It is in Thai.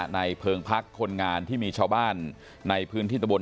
เพิงพักคนงานที่มีชาวบ้านในพื้นที่ตะบน